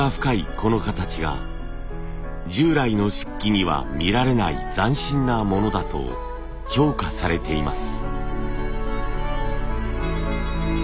この形が従来の漆器には見られない斬新なものだと評価されています。